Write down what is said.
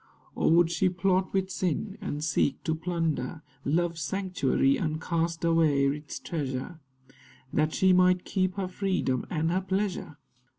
Or would she plot with sin, and seek to plunder Love's sanctuary, and cast away its treasure, That she might keep her freedom and her pleasure?